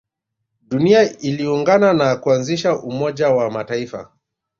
dunia iliungana na kuanzisha umoja wa mataifa